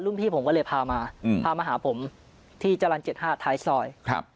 พี่ผมก็เลยพามาพามาหาผมที่จรรย์๗๕ท้ายซอย